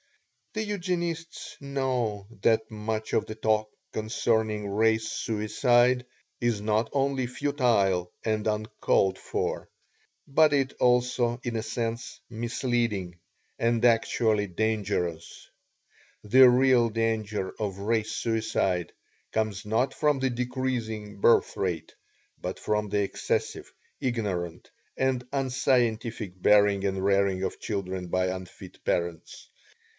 The Eugenists know that much of the talk concerning Race Suicide is not only futile and uncalled for, but is also in a sense misleading and actually dangerous. The real danger of Race Suicide comes not from the decreasing birth rate, but from the excessive, ignorant, and unscientific bearing and rearing of children by unfit parents.